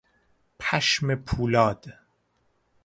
پشم پولاد